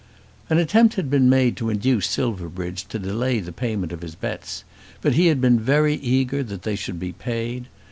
An attempt had been made to induce Silverbridge to delay the payment of his bets; but he had been very eager that they should be paid.